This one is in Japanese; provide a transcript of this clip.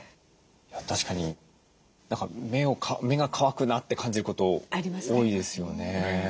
確かに目が乾くなって感じること多いですよね。